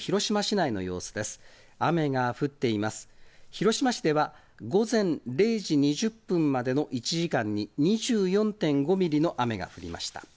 広島市では、午前０時２０分までの１時間に２４．５ミリの雨が降りました。